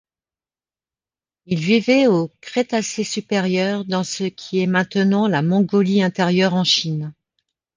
Il vivait au Crétacé supérieur dans ce qui est maintenant la Mongolie-Intérieure, en Chine.